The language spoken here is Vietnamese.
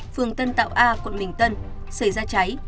phường tân tạo a quận bình tân xảy ra cháy